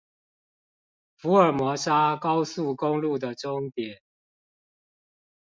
福爾摩沙高速公路的終點